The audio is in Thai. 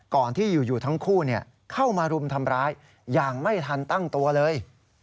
ก่อนที่อยู่ทั้งคู่เข้ามารุมทำร้ายอย่างไม่ทันตั้งตัวเลย